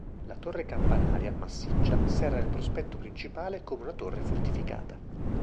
La torre campanaria, massiccia, serra il prospetto principale come una torre fortificata.